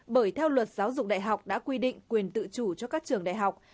bởi theo luật giáo dục đại học đã quy định quyền tự chủ cho các trường đại học